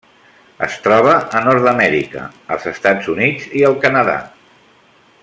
Es troba a Nord-amèrica: els Estats Units i el Canadà.